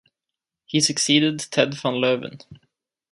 He succeeded Ted van Leeuwen.